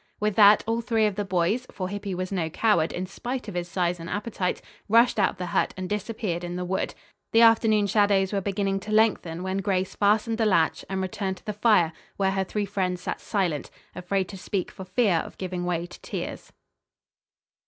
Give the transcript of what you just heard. With that, all three of the boys, for Hippy was no coward, in spite of his size and appetite, rushed out of the hut and disappeared in the wood. The afternoon shadows were beginning to lengthen when Grace fastened the latch and returned to the fire where her three friends sat silent, afraid to speak for fear of giving way to tears.